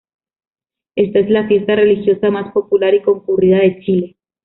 Esta es la fiesta religiosa más popular y concurrida de Chile.